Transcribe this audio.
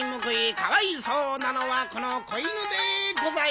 かわいそうなのはこの子犬でござい。